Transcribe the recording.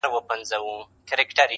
نن دي سترګي سمي دمي میکدې دي ,